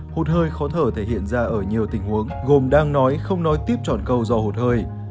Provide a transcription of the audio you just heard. hụt hơi khó thở thể hiện ra ở nhiều tình huống gồm đang nói không nói tiếp chọn câu do hụt hơi